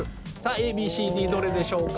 「Ａ」「Ｂ」「Ｃ」「Ｄ」どれでしょうか？